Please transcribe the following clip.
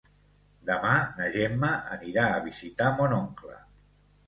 Demà na Gemma anirà a visitar mon oncle.